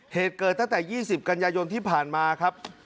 เหตุเกิดตั้งแต่๒๐กันยายนที่ผ่านมาครับ